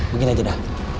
begini aja dah